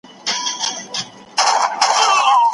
جنګونه یوازي ویراني راولي.